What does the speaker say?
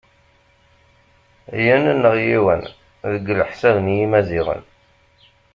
yen neɣ yiwen deg leḥsab n yimaziɣen.